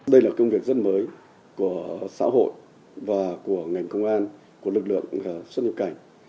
đây là công việc rất mới của xã hội và của ngành công an của lực lượng xuất nhập cảnh